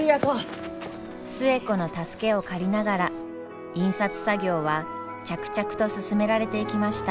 寿恵子の助けを借りながら印刷作業は着々と進められていきました。